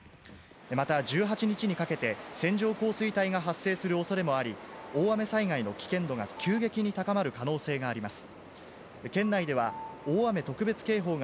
また１８日にかけて線状降水帯が発生するおそれもあり、大雨災害の危険度が急激に高まる可能性があります。